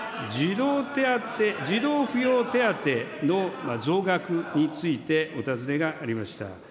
児童扶養手当の増額についてお尋ねがありました。